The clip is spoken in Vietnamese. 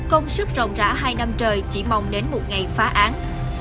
công sức rộng rãi hai năm trời chỉ mong đến một ngày phá án